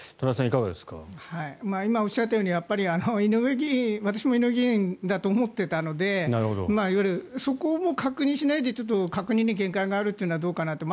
今、おっしゃったように私も井上議員だと思っていたのでそこを確認しないで確認に限界があるというのはどうかなと。